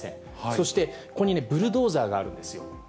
そしてここにね、ブルドーザーがあるんですよ。